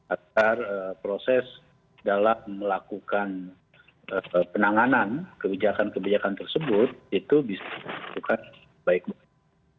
agar proses dalam melakukan penanganan kebijakan kebijakan tersebut itu bisa dilakukan baik baik